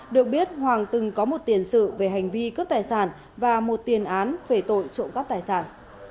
được biết hoàng từng có một tiền sự về hành vi cướp tài sản và một tiền án về tội trộm cắp tài sản